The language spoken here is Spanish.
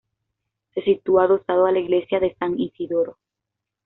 Se sitúa adosado a la Iglesia de San Isidoro.